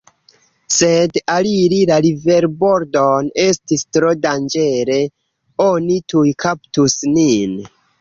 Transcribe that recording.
Sed aliri la riverbordon estis tro danĝere, oni tuj kaptus nin.